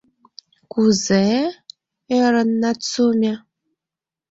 — Кузе-э?! — ӧрын Нацуме.